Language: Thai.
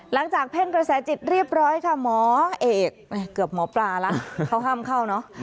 เพ่งกระแสจิตเรียบร้อยค่ะหมอเอกเกือบหมอปลาแล้วเขาห้ามเข้าเนอะ